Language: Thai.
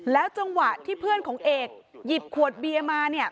จังหวะที่เพื่อนของเอกหยิบขวดเบียร์มาเนี่ย